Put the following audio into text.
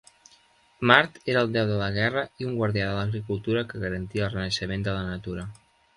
Mart era el deu de la guerra i un guardià de l'agricultura que garantia el renaixement de la natura.